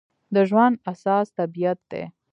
د ژوند اساس طبیعت دی.